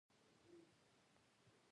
ږغ د ې شین شه خپلواکۍ